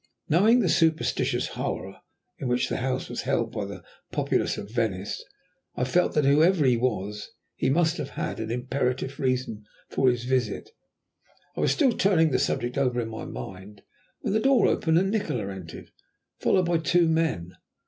Knowing the superstitious horror in which the house was held by the populace of Venice, I felt that whoever he was, he must have had an imperative reason for his visit. I was still turning the subject over in my mind, when the door opened and Nikola entered, followed by two men.